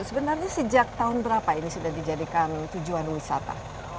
sebenarnya sejak tahun berapa ini sudah dijadikan tujuan wisata